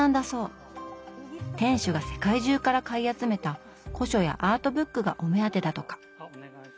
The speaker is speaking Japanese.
店主が世界中から買い集めた古書やアートブックがお目当てだとか。